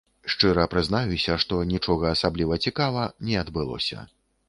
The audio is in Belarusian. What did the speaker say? Шчыра прызнаюся, што нічога асабліва цікава не адбылося.